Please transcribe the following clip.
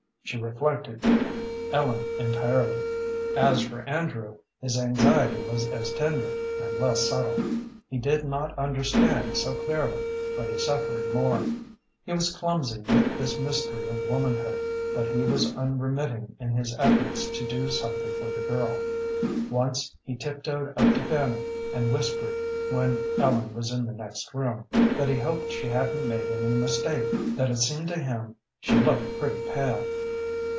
She reflected Ellen entirely. As for Andrew, his anxiety was as tender, and less subtle. He did not understand so clearly, but he suffered more. He was clumsy with this mystery of womanhood, but he was unremitting in his efforts to do something for the girl. Once he tiptoed up to Fanny and whispered, when Ellen was in the next room, that he hoped she hadn't made any mistake, that it seemed to him she looked pretty pale.